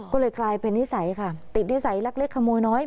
ก็เลยกลายเป็นนิสัยค่ะติดนิสัยลักเล็กขโมยน้อย